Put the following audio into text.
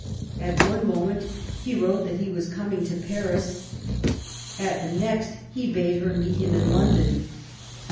At one moment he wrote that he was coming to Paris ; at the next he bade her meet him in London.